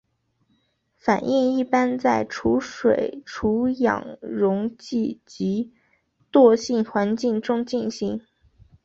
反应一般在除水除氧溶剂及惰性环境中进行。